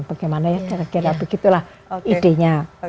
bagaimana ya kira kira begitulah idenya